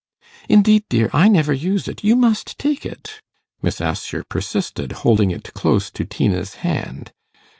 'Indeed, dear, I never use it; you must take it,' Miss Assher persisted, holding it close to Tina's hand.